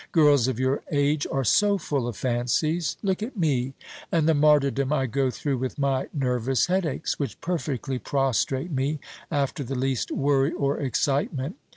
Girls of your age are so full of fancies. Look at me, and the martyrdom I go through with my nervous headaches, which perfectly prostrate me, after the least worry or excitement.